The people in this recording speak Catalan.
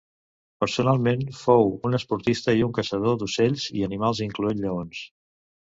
Personalment fou un esportista i un casador d'ocells i animals incloent lleons.